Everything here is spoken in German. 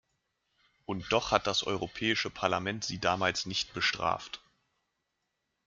Und doch hat das Europäische Parlament sie damals nicht bestraft.